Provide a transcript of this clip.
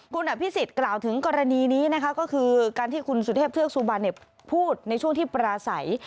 คุณอภิษฎกล่าวถึงกรณีนี้นะคะก็คือการที่คุณสุเทพเทือกสุบันพูดในช่วงที่ปราศัย